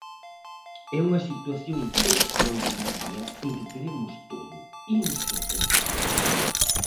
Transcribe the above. É unha situación extraordinaria en que queremos todo, imos por todas.